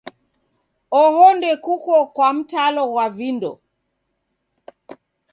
Oho ndokuko kwa mtalo ghwa vindo